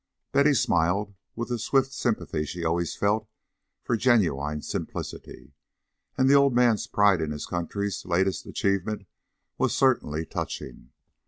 Betty smiled with the swift sympathy she always felt for genuine simplicity, and the old man's pride in his country's latest achievement was certainly touching.